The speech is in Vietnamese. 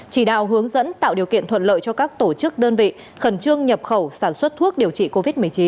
chỉ đạo hướng dẫn tạo điều kiện thuận lợi cho các tổ chức đơn vị khẩn trương nhập khẩu sản xuất thuốc điều trị covid một mươi chín